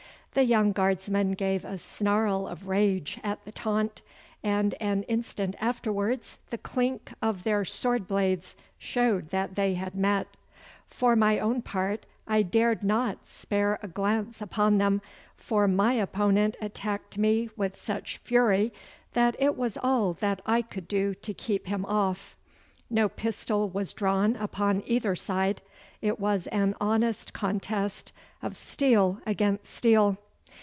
The young guardsman gave a snarl of rage at the taunt, and an instant afterwards the clink of their sword blades showed that they had met. For my own part I dared not spare a glance upon them, for my opponent attacked me with such fury that it was all that I could do to keep him off. No pistol was drawn upon either side. It was an honest contest of steel against steel.